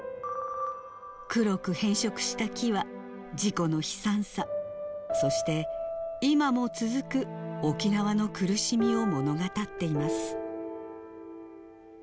黒く変色した木は、事故の悲惨さ、そして今も続く沖縄の苦しみを物語っています。